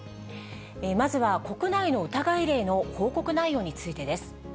まずは国内の疑い例の報告内容についてです。